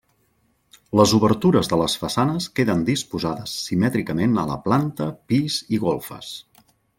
Les obertures de les façanes queden disposades simètricament a la planta, pis i golfes.